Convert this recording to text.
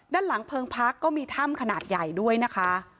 ด้านหลังเพลิงพักก็มีถ้ำขนาดใหญ่ด้วยนะคะ